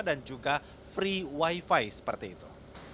dan juga free wifi seperti itu